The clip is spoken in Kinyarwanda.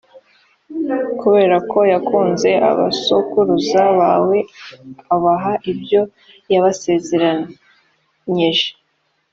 kubera ko yakunze abasokuruza bawe abaha ibyo yabasezeranyije